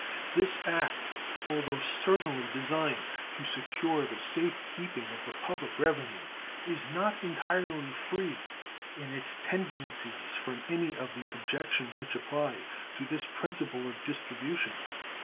This act, although certainly designed to secure the safe keeping of the public revenue, is not entirely free in its tendencies from any of the objections which apply to this principle of distribution.